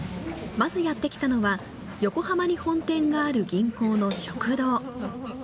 まず、やって来たのは横浜に本店がある銀行の食堂。